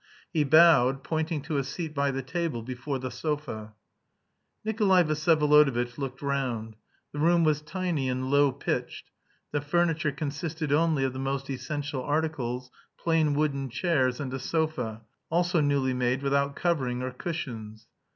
He bowed, pointing to a seat by the table, before the sofa. Nikolay Vsyevolodovitch looked round. The room was tiny and low pitched. The furniture consisted only of the most essential articles, plain wooden chairs and a sofa, also newly made without covering or cushions.